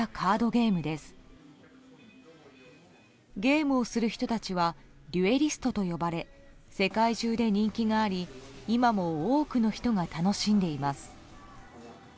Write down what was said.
ゲームをする人たちはデュエリストと呼ばれ世界中で人気があり今も多くの人が楽しんでいます。